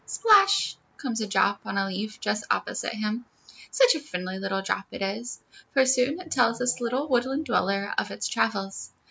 Splash comes a drop on a leaf just opposite him. Such a friendly little drop it is, for soon it tells this little woodland dweller of all its travels.